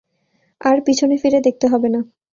আর পিছনে ফিরে দেখতে হবে না।